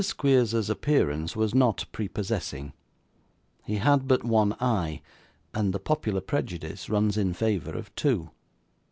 Squeers's appearance was not prepossessing. He had but one eye, and the popular prejudice runs in favour of two.